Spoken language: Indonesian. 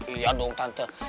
iya dong tante